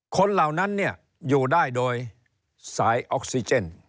เหล่านั้นอยู่ได้โดยสายออกซิเจน